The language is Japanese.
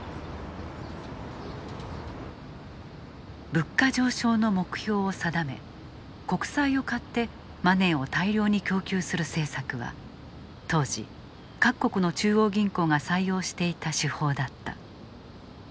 物価上昇の目標を定め国債を買ってマネーを大量に供給する政策は当時各国の中央銀行が採用していた手法だった。